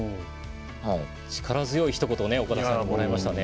力強いひと言を岡田さんからもらえましたね。